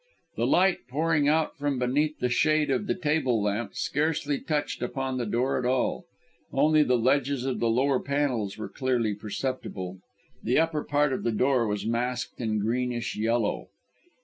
The light pouring out from beneath the shade of the table lamp scarcely touched upon the door at all. Only the edges of the lower panels were clearly perceptible; the upper part of the door was masked in greenish shadow.